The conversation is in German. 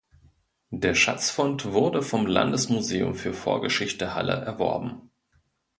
Der Schatzfund wurde vom Landesmuseum für Vorgeschichte Halle erworben.